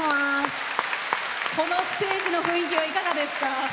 このステージの雰囲気はいかがですか？